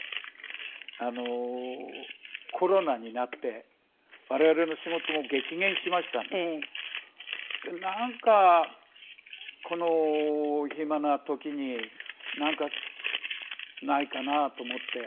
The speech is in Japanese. あのコロナになって我々の仕事も激減しましたのでなんかこの暇な時になんかないかなと思って。